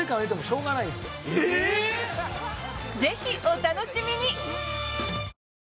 ぜひお楽しみに！